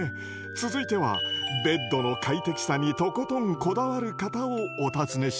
続いてはベッドの快適さにとことんこだわる方をお訪ねします。